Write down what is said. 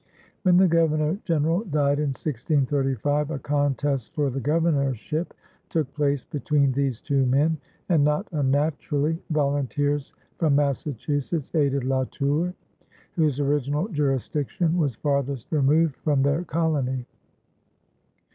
When the Governor General died in 1635, a contest for the governorship took place between these two men, and not unnaturally volunteers from Massachusetts aided La Tour, whose original jurisdiction was farthest removed from their colony.